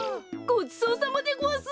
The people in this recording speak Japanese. ごちそうさまでごわす！